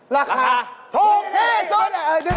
รักษาโทษเท่าไหร่